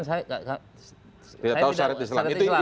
tidak tahu syariat islam